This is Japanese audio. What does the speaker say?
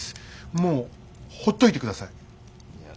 もうほっといてください。